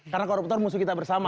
karena koruptor musuh kita bersama